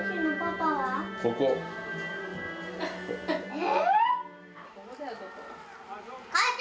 え？